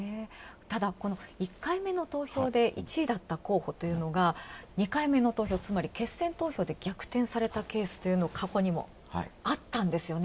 ただ、この１回目の投票で１位だった候補というのが２回目の投票、つまり決選投票で逆転されたケースというのは過去にもあったんですよね。